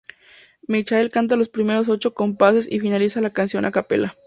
Michael canta los primeros ocho compases y finaliza la canción a capela.